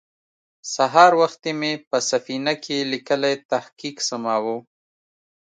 سهار وختې مې په سفينه کې ليکلی تحقيق سماوه.